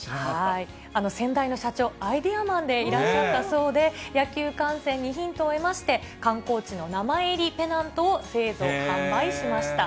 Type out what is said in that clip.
先代の社長、アイデアマンでいらっしゃったそうで、野球観戦にヒントを得まして、観光地の名前入りペナントを製造・販売しました。